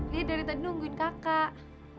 dia dari tadi nungguin kakak